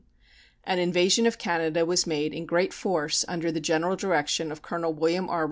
An invasion of Canada was made in great force under the general direction of Colonel William R.